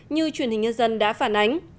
như truyền hình nhân dân đã phản ánh